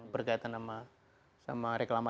berkaitan sama reklama